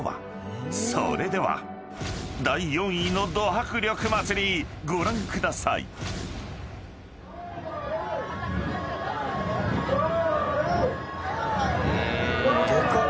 ［それでは第４位のド迫力祭りご覧ください］でかっ！